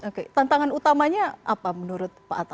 oke tantangan utamanya apa menurut